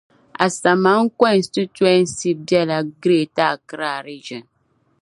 Amasaman Constituency be la Greater Accra Region.